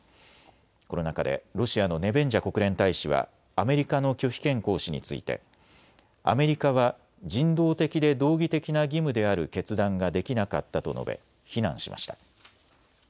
この中でロシアのネベンジャ国連大使はアメリカの拒否権行使についてアメリカは人道的で道義的な義務である決断ができなかったと述べ、非難しました。